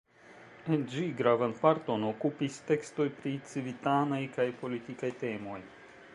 En ĝi gravan parton okupis tekstoj pri civitanaj kaj politikaj temoj.